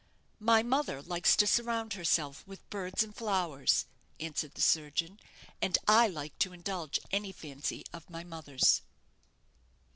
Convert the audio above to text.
"My mother likes to surround herself with birds and flowers," answered the surgeon; "and I like to indulge any fancy of my mother's."